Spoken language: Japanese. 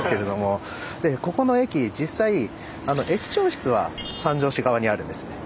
でここの駅実際駅長室は三条市側にあるんです。